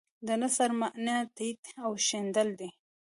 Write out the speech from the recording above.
د نثر معنی تیت او شیندل دي.